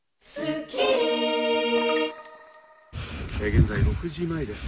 現在６時前です。